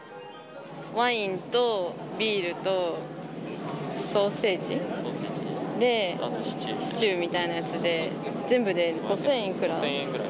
ワインとビールとソーセージで、シチューみたいなやつで、全部で五千いくら。